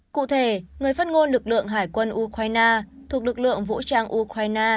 cụ thể người phát ngôn lực lượng hải quân ukraine thuộc lực lượng vũ trang ukraine